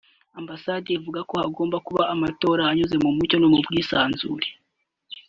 Ambasade ivuga ko hagomba kuba amatora anyuze mu mucyo no mu bwisanzure